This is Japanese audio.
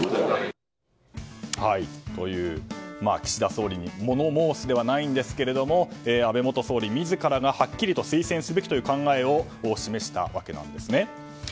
岸田総理にもの申すではないんですけど安倍元総理自らが、はっきりと推薦すべきという考えを示したわけなんです。